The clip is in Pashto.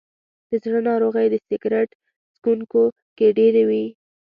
د زړه ناروغۍ د سګرټ څکونکو کې ډېرې وي.